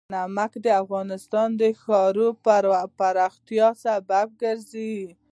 نمک د افغانستان د ښاري پراختیا سبب کېږي.